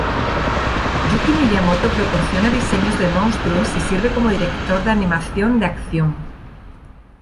Yuki Miyamoto proporciona diseños de monstruos y sirve como director de animación de acción.